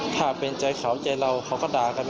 ถ้าเป็นใจเขาใจเราเขาก็ด่ากัน